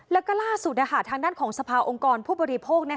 แล้วก็ล่าสุดทางด้านของสภาองค์กรผู้บริโภค